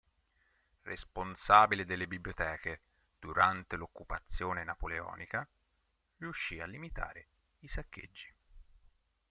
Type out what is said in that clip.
Responsabile delle biblioteche durante l'occupazione napoleonica, riuscì a limitare i saccheggi.